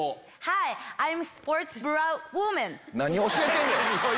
何教えてんねん！